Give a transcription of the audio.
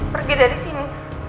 pergi dari sini